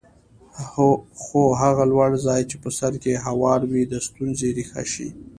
خو هغه لوړ ځای چې په سر کې هوار وي د ستونزې ریښه شي.